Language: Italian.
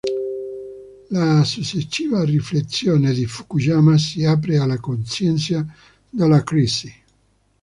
La successiva riflessione di Fukuyama si apre alla coscienza della crisi.